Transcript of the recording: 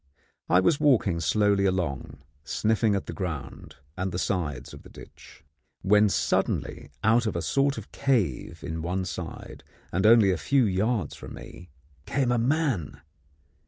I was walking slowly along, sniffing at the ground and the sides of the ditch, when suddenly out of a sort of cave in one side, and only a few yards from me, came a man!